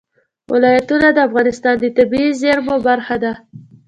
ولایتونه د افغانستان د طبیعي زیرمو برخه ده.